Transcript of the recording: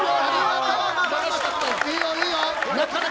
いいよ、いいよ。